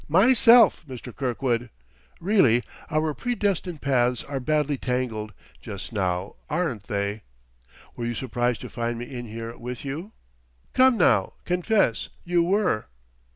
"Myself, Mr. Kirkwood! Really, our predestined paths are badly tangled, just now; aren't they? Were you surprised to find me in here, with you? Come now, confess you were!"